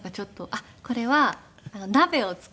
あっこれは鍋を作って。